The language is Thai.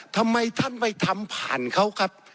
ทำไมท่านไปทำผ่านเขาครับ